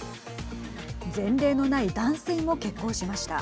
前例のない断水も決行しました。